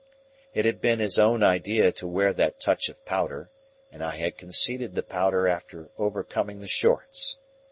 It had been his own idea to wear that touch of powder, and I had conceded the powder after overcoming the shorts.